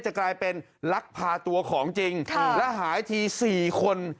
จะกลายเป็นลักพาตัวของจริงและหายที๔คน